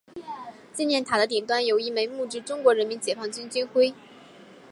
纪念塔的顶端有一枚木质中国人民解放军军徽。